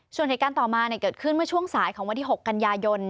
ส่วนเหตุการณ์ต่อมาเกิดขึ้นเมื่อช่วงสายของวันที่๖กันยายน